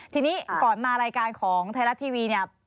ทีนี้ก่อนมารายการของไทยรัฐทีวีเนี่ย